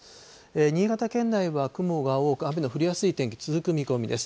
新潟県内は雲が多く、雨の降りやすい天気続く見込みです。